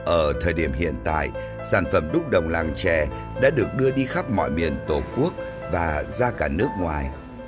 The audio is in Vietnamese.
ở thời điểm hiện tại sản phẩm đúc đồng làng trẻ đã được đưa đi khắp mọi miền tổ quốc và ra cả nước ngoài